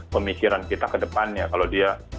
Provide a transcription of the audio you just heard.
pemikiran kita ke depannya kalau dia